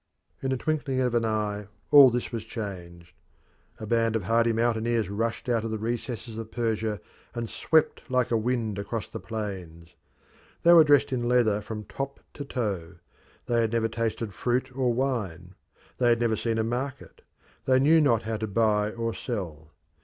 In the twinkling of an eye all this was changed. A band of hardy mountaineers rushed out of the recesses of Persia and swept like a wind across the plains. They were dressed in leather from top to toe; they had never tasted fruit or wine; they had never seen a market; they knew not how to buy or sell.